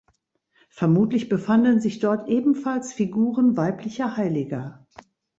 Vermutlich befanden sich dort ebenfalls Figuren weiblicher Heiliger.